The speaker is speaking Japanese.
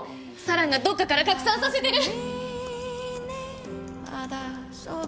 四朗がどっかから拡散させてる！